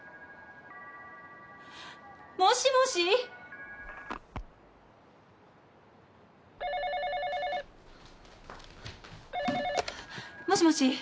もしもし？もしもし？